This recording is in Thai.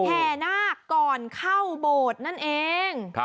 แห่นาคก่อนเข้าโบสถ์นั่นเอง